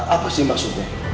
apa sih maksudnya